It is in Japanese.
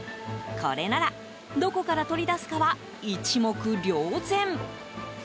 これならどこから取り出すかは一目瞭然。